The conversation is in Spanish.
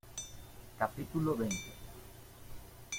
capítulo veinte.